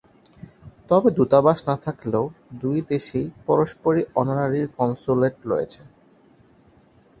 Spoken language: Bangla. তবে দূতাবাস না থাকলেও, দুই দেশেই পরস্পরের অনারারি কনস্যুলেট রয়েছে।